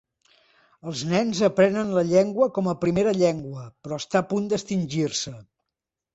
Els nens aprenen la llengua com a primera llengua, però està a punt d'extingir-se.